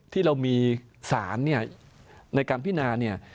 ที่เรามีศาลในการพินาเนี่ย